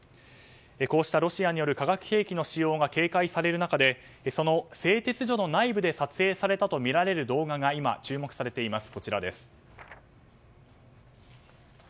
こうしたロシアによる化学兵器の使用が警戒される中でその製鉄所の内部で撮影されたとみられる動画が今、注目されています。